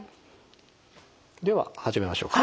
では始めましょうか。